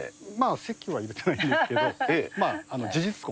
籍は入れてないんですけど、事実婚。